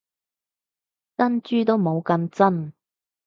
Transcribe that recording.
珍珠都冇咁真